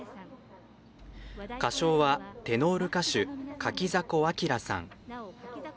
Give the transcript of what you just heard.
歌唱はテノール歌手・柿迫秀さん。